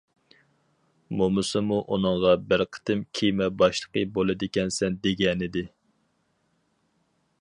مومىسىمۇ ئۇنىڭغا بىر قېتىم كېمە باشلىقى بولىدىكەنسەن دېگەنىدى.